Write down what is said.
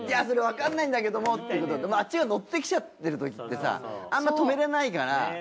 それわかんないんだけどもっていうことであっちがノってきちゃってるときってさあんま止められないから。